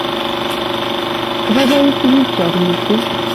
Kapaipait sigik chok missing'